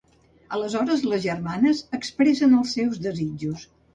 Aleshores, les germanes expressen els seus desitjos.